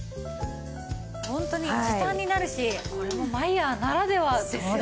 ホントに時短になるしこれもマイヤーならではですよね。